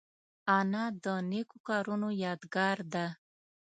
انا د نیکو کارونو یادګار ده